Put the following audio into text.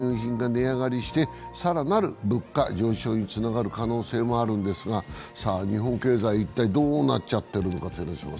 円安が進めば燃料費などの輸入品が値上がりし更なる物価上昇につながる可能性もあるんですが、さあ日本経済、一体どうなっちゃってるのか。